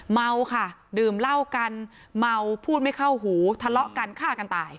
เมาค่ะดื่มเหล้ากันเมาพูดไม่เข้าหูทะเลาะกันฆ่ากันตาย